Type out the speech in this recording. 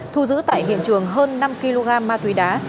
thu giữ tại hiện trường hơn năm kg ma túy đá